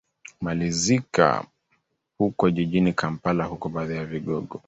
malizika huko jijini kampala huku baadhi ya vigogo